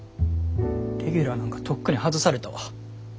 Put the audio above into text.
レギュラーなんかとっくに外されたわ。